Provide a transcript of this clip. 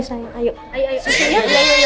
udah sayang udah ya